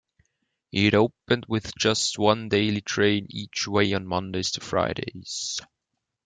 It opened with just one daily train each way on Mondays to Fridays.